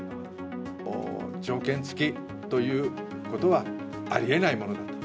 条件付きということは、ありえないものだと。